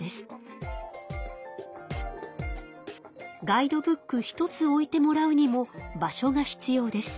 ガイドブック一つ置いてもらうにも場所が必要です。